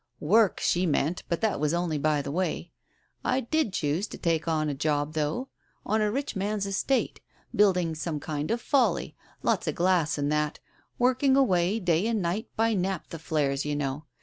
Work, she meant, but that was only by the way. I did choose to take on a job, though, on a rich man's estate, building some kind of Folly, lots of glass and that, work ing away day and night by naphtha flares, you know.